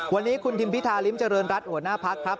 วันนี้คุณทิมพิธาริมเจริญรัฐหัวหน้าพักครับ